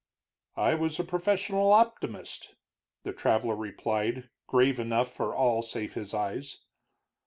"I was a professional optimist," the traveler replied, grave enough for all save his eyes.